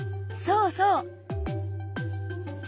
そうそう。